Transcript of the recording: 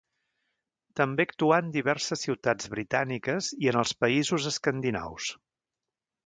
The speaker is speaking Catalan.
També actuà en diverses ciutats britàniques i en els països escandinaus.